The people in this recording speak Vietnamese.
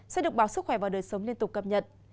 sẽ được báo sức khỏe và đời sống liên tục cập nhật